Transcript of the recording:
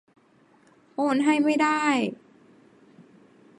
โอนให้ไม่ได้